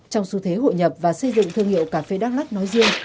trong xu thế hội nhập và xây dựng thương hiệu cà phê đắk lắc nói riêng